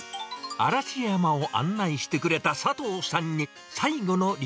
嵐山を案内してくれた佐藤さお